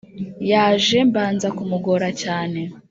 Yaje mbanza kumugora cyane